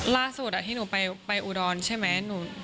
ล่าสุดที่หนูไปอุดรใช่ไหม